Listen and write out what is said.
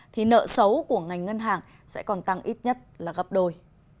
thì nợ xấu của ngành ngân hàng sẽ còn tăng ít nhất là gấp đôi